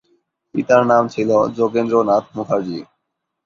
পিতার নাম ছিল যোগেন্দ্রনাথ মুখার্জী।